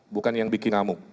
bukan yang bikin ngamuk